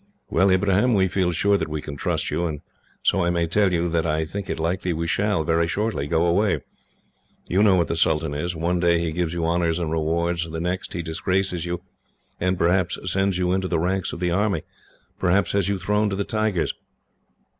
"Well, Ibrahim, we feel sure that we can trust you, and so I may tell you that I think it likely we shall, very shortly, go away. You know what the sultan is. One day he gives you honours and rewards, the next he disgraces you, and perhaps sends you into the ranks of the army, perhaps has you thrown to the tigers.